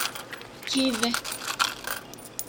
ކީއްވެ؟